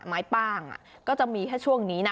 ไม้ป้างก็จะมีแค่ช่วงนี้นะ